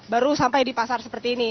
baru sampai di pasar seperti ini